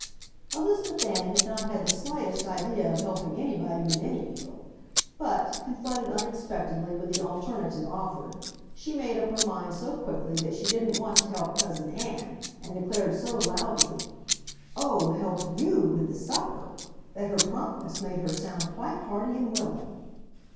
Elizabeth Ann had not had the slightest idea of helping anybody with any meal, but, confronted unexpectedly with the alternative offered, she made up her mind so quickly that she didn't want to help Cousin Ann, and declared so loudly, "Oh, help YOU with the supper!" that her promptness made her sound quite hearty and willing.